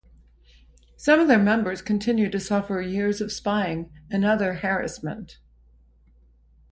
Some of their members continued to suffer years of spying and other harassment.